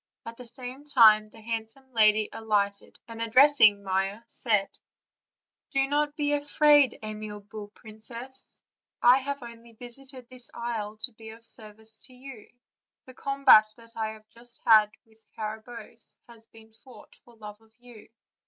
At the same time the hand some lady alighted, and addressing Maia, said: "Do not be afraid, amiable princess; I have only vis ited this isle to be of service to you; the combat that I have had with Carabosse has been fought for love of you.